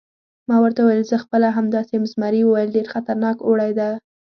ما ورته وویل: زه خپله همداسې یم، زمري وویل: ډېر خطرناک اوړی و.